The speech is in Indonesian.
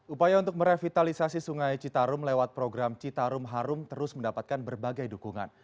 upaya untuk merevitalisasi sungai citarum lewat program citarum harum terus mendapatkan berbagai dukungan